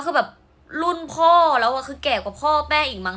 คือแบบรุ่นพ่อแล้วคือแก่กว่าพ่อแม่อีกมั้